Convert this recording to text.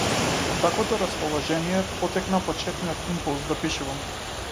Од таквото расположение потекна почетниот импулс да пишувам.